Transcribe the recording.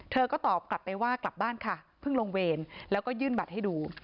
ก็ตอบกลับไปว่ากลับบ้านค่ะเพิ่งลงเวรแล้วก็ยื่นบัตรให้ดู